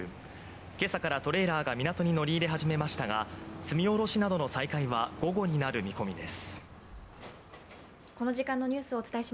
今朝からトレーラーが港に乗り入れ始めましたが、積み降ろしなどの再開は午後になる見込みです。